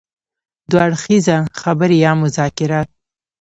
دوه اړخیزه خبرې يا مذاکرات.